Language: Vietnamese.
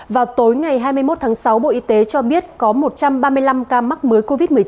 vào tối ngày hai mươi một tháng sáu bộ y tế cho biết có một trăm ba mươi năm ca mắc mới covid một mươi chín